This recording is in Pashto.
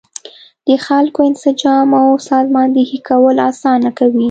د خلکو انسجام او سازماندهي کول اسانه کوي.